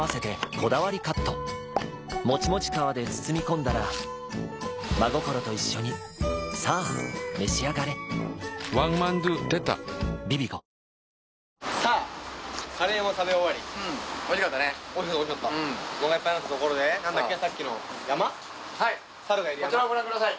こちらをご覧ください。